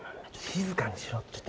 静かにしろって言え。